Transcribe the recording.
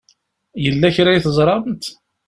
Yella kra i teẓṛamt?